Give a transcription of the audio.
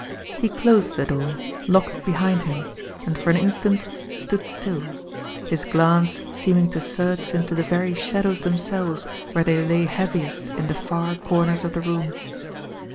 He closed the door, locked it behind him, and for an instant stood still, his glance seeming to search 43 44 JIMMIE DALE AND THE PHANTOM CLUE into the very shadows themselves where they lay heaviest in the far corners of the room.